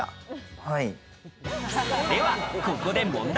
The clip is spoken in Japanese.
では、ここで問題。